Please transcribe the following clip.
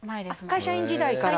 会社員時代から？